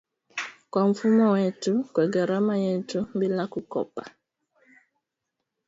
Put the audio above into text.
kwa mfumo wetu, kwa gharama yetu, bila kukopa